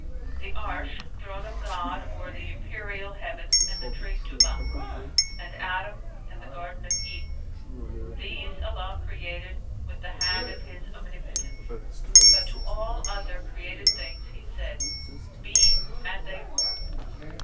"The 'Arsh, throne of God or the empyreal heaven and the tree Tϊbα[FN#439] and Adam and the garden of Eden; these Allah created with the hand of His omnipotence; but to all other created things He said, 'Be,'—and they were."